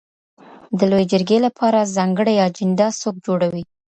د لویې جرګي لپاره ځانګړې اجنډا څوک جوړوي؟